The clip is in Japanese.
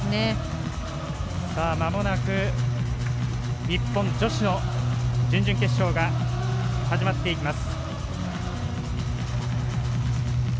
まもなく日本女子の準々決勝が始まっていきます。